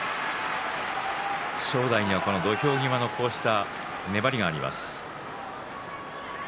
正代には、この土俵際のこうした粘りがあります。